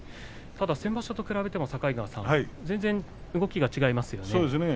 先場所と比べても境川さん全然動きが違いますね。